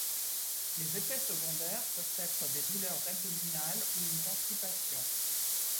Les effets secondaires peuvent être des douleurs abdominales ou une constipation.